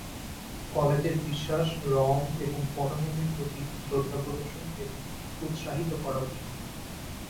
কলেজের বিশ্বাস, রঙ এবং পটভূমির প্রতি শ্রদ্ধা প্রদর্শন এবং উত্সাহিত করা উচিত।